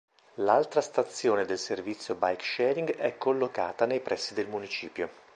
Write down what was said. L'altra stazione del servizio bike sharing è collocata nei pressi del Municipio.